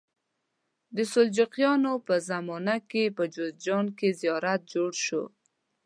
د سلجوقیانو په زمانه کې په جوزجان کې زیارت جوړ شو.